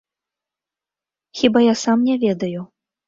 Хіба я сам не ведаю.